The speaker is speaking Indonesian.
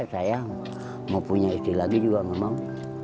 saya mau punya istri lagi juga nggak mau